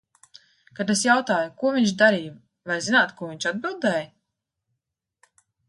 Kad es jautāju, ko viņš darīja, vai zināt, ko viņš atbildēja?